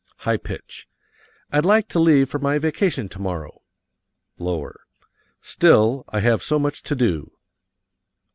(High pitch) "I'd like to leave for my vacation tomorrow, (lower) still, I have so much to do.